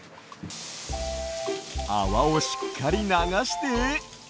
あわをしっかりながして。